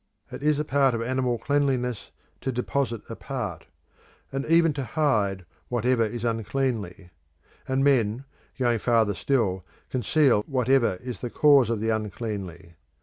It is a part of animal cleanliness to deposit apart, and even to hide, whatever is uncleanly; and men, going farther still, conceal whatever is a cause of the uncleanly.